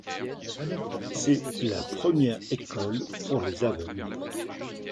C'est la première école pour les aveugles.